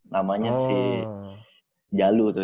namanya si jalu tuh jalu